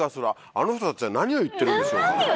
あの人たちは何を言ってるんでしょうか？